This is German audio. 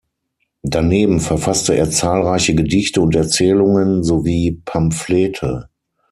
Daneben verfasste er zahlreiche Gedichte und Erzählungen sowie Pamphlete.